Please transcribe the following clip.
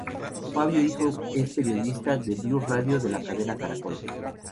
Fabio hijo es periodista de Blu Radio de la cadena Caracol.